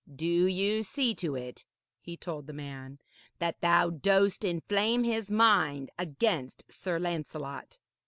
'Do you see to it,' he told the man, 'that thou dost inflame his mind against Sir Lancelot.'